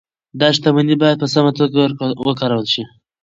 دا شتمني باید په سمه توګه وکارول شي.